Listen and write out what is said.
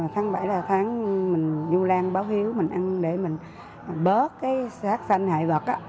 tháng bảy là tháng mình vu lan báo hiếu mình ăn để mình bớt cái sát xanh hại vật